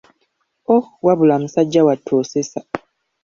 Oh, wabula musajja wattu osesa.